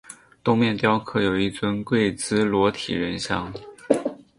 东面雕刻有一尊跪姿裸体人像。